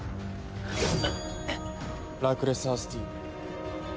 ラクレス・ハスティー。